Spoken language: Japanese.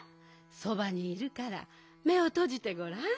そばにいるからめをとじてごらん。